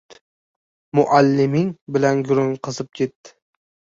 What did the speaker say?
Mualliming bilan gurung qizib ketdi.